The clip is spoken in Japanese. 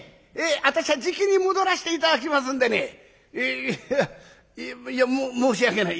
私はじきに戻らせて頂きますんでね。えいや申し訳ない。